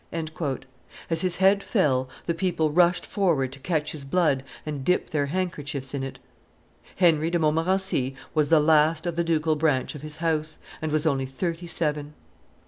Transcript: _" As his head fell, the people rushed forward to catch his blood and dip their handkerchiefs in it. Henry de Montmorency was the last of the ducal branch of his house, and was only thirty seven.